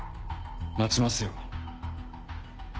待ちますよ。